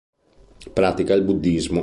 Pratica il buddismo.